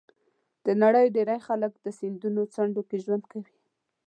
د نړۍ ډېری خلک د سیندونو څنډو کې ژوند کوي.